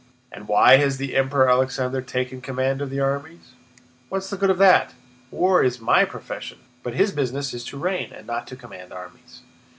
"And why has the Emperor Alexander taken command of the armies? What is the good of that? War is my profession, but his business is to reign and not to command armies!